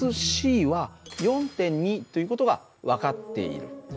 ｃは４．２という事が分かっている。